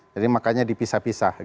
jadi makanya dipisah pisah